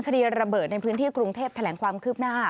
คดีระเบิดในพื้นที่กรุงเทพแถลงความคืบหน้า